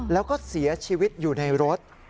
แล้วก็เสียชีวิตอยู่ในรถ